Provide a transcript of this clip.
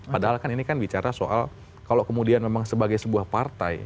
padahal kan ini kan bicara soal kalau kemudian memang sebagai sebuah partai